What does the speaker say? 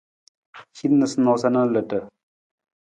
Hin noosanoosa na ludu.